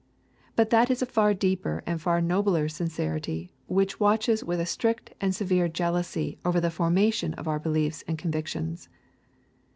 But that is a far deeper and a far nobler sincerity which watches with a strict and severe jealousy over the formation of our beliefs and convictions.